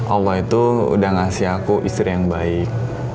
allah itu udah ngasih aku istri yang baik